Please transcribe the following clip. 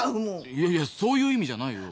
いやいやそういう意味じゃないよ。